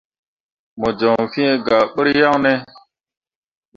Mo joŋ fĩĩ gah ɓur yaŋne ?